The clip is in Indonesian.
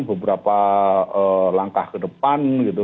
beberapa langkah ke depan gitu